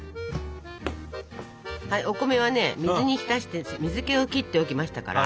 はいお米はね水に浸して水けを切っておきましたから。